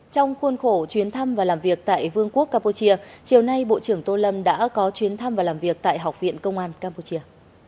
trong khuôn khổ chuyến thăm và làm việc tại vương quốc campuchia chiều nay bộ trưởng tô lâm đã có chuyến thăm và làm việc tại học viện công an campuchia